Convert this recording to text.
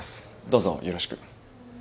どうぞよろしく。